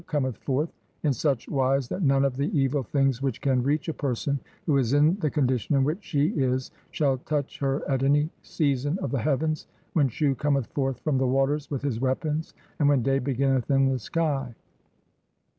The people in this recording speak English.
"cometh forth, in such wise that none of the evil "things which can reach a person who is in the con dition in which she is shall touch her at any season of "the heavens, when Shu cometh forth from the waters "with his weapons and when day beginneth in the sky.